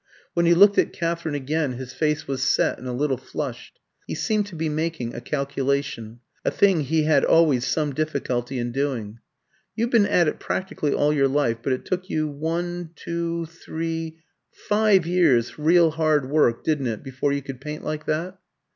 When he looked at Katherine again, his face was set and a little flushed. He seemed to be making a calculation a thing he had always some difficulty in doing. "You've been at it practically all your life; but it took you one two three five years' real hard work, didn't it, before you could paint like that?"